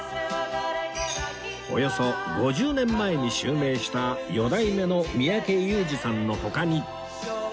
およそ５０年前に襲名した四代目の三宅裕司さんの他に